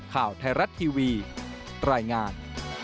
ข่าวไทยรัฐทีวีรายงาน